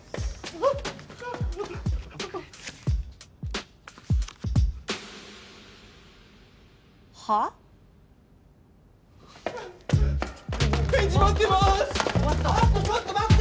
マットちょっと待って！